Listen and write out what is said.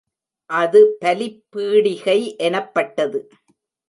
அது பலிப் பீடிகை எனப்பட்டது.